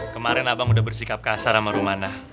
kemarin abang udah bersikap kasar sama rumana